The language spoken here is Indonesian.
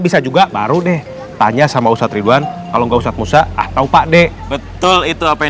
bisa juga baru deh tanya sama ustadz ridwan kalau enggak ustadz musa atau pak deh betul itu apa yang